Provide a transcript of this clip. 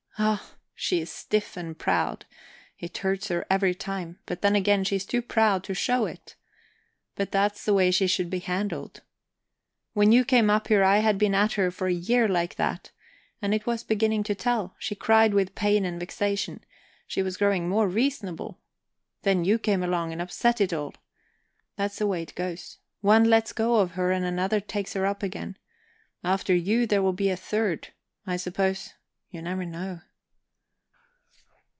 Oh, she's stiff and proud, it hurts her every time; but then again she is too proud to show it. But that's the way she should be handled. When you came up here I had been at her for a year like that, and it was beginning to tell; she cried with pain and vexation; she was growing more reasonable. Then you came along and upset it all. That's the way it goes one lets go of her and another takes her up again. After you, there'll be a third, I suppose you never know."